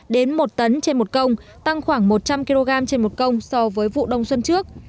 đến một tấn trên một công tăng khoảng một trăm linh kg trên một công so với vụ đông xuân trước